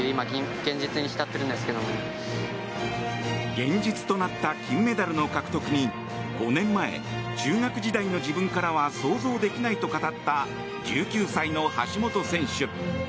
現実となった金メダルの獲得に５年前、中学時代の自分からは想像できないと語った１９歳の橋本選手。